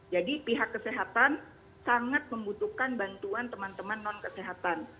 jadi pihak kesehatan sangat membutuhkan bantuan teman teman non kesehatan